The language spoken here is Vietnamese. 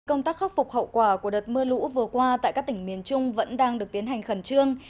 công tác khắc phục hậu quả của đợt mưa lũ vừa qua tại các tỉnh miền trung vẫn đang được tiến hành khẩn trương